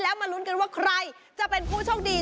แล้วมาลุ้นกันว่าใครจะเป็นผู้โชคดี